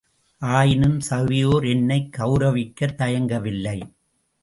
ஆயினும் சபையோர் என்னைக் கெளரவிக்கத் தயங்கவில்லை.